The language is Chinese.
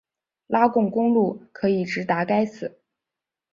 拉贡公路可以直达该寺。